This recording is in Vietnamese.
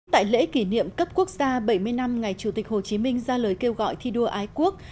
tại lễ kỷ niệm cấp quốc gia bảy mươi năm ngày chủ tịch hồ chí minh ra lời kêu gọi thi đua ái quốc